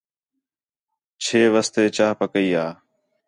چھے واسطے چاہ پکئی یا